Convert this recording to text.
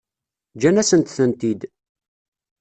Ǧǧan-asent-tent-id.